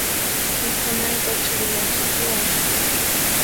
Mikhunayta chiriyachipuway.